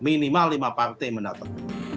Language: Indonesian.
minimal lima partai mendatang